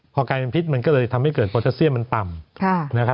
พอกลายเป็นพิษมันก็เลยทำให้เกิดโปรตาเซียมมันต่ำนะครับ